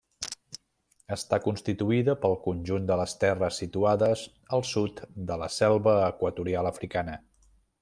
Està constituïda pel conjunt de les terres situades al sud de la selva equatorial africana.